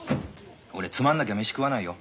俺つまんなきゃ飯食わないよ。